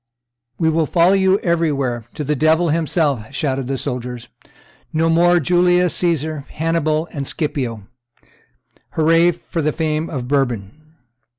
"We will follow you everywhere, to the devil himself!" shouted the soldiers; "no more of Julius Caesar, Hannibal, and Scipio! Hurrah! for the fame of Bourbon!"